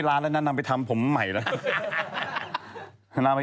จากกระแสของละครกรุเปสันนิวาสนะฮะ